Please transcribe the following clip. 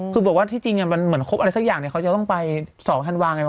คือบอกว่าที่จริงมันเหมือนครบอะไรสักอย่างเนี่ยเขาจะต้องไป๒ธันวาไงวะ